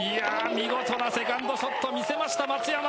見事なセカンドショットを見せました、松山。